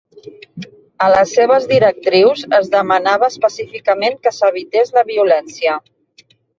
A les seves directrius es demanava específicament que s'evités la violència.